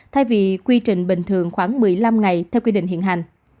thay vì quy trình bình thường khoảng một mươi năm ngày theo quy định hiện hành